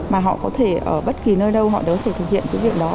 mà họ có thể ở bất kỳ nơi đâu họ đều có thể thực hiện cái việc đó